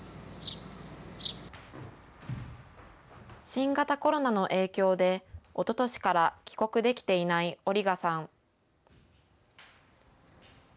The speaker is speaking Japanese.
新型コロナの影響で、おととしから帰国できていないオリガさん。